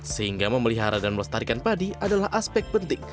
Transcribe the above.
sehingga memelihara dan melestarikan padi adalah aspek penting